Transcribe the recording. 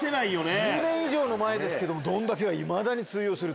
１０年以上前ですけども「どんだけぇ」は通用する。